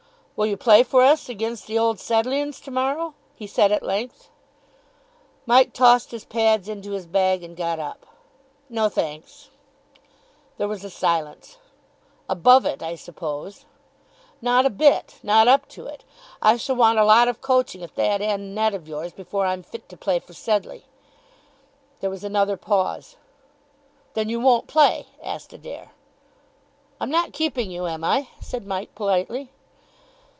"Will you play for us against the Old Sedleighans to morrow?" he said at length. Mike tossed his pads into his bag and got up. "No, thanks." There was a silence. "Above it, I suppose?" "Not a bit. Not up to it. I shall want a lot of coaching at that end net of yours before I'm fit to play for Sedleigh." There was another pause. "Then you won't play?" asked Adair. "I'm not keeping you, am I?" said Mike, politely.